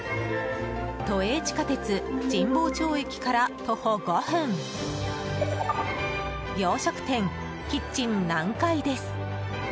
都営地下鉄神保町駅から徒歩５分洋食店、キッチン南海です。